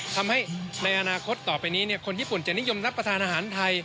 ทำให้ในอนาคตต่อไปนี้คนญี่ปุ่นจะนิยมรับประทานอาหารไทย